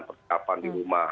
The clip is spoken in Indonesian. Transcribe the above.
pertikapan di rumah